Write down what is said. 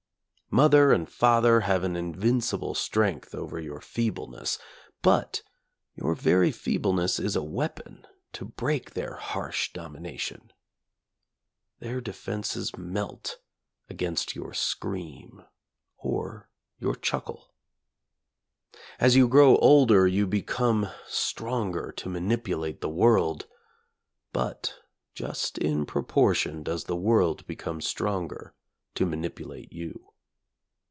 Mother and father have an invincible strength over your feebleness, but your very feebleness is a weapon to break their harsh domi nation. Their defenses melt against your scream or your chuckle. As you grow older you become stronger to manipulate the world. But just in proportion does the world become stronger to manipulate you.